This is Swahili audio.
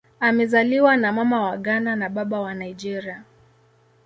Amezaliwa na Mama wa Ghana na Baba wa Nigeria.